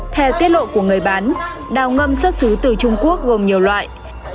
theo tiết lộ của người bán đào ngâm xuất xứ từ trung quốc gồm nhiều loại